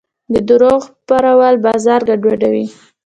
د دروغو خپرول بازار ګډوډوي.